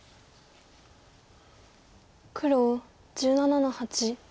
黒１７の八。